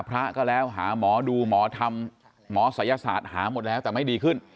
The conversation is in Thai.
พระก็แล้วหาหมอดูหมอทำหมอศัยศาสตร์หาหมดแล้วแต่ไม่ดีขึ้น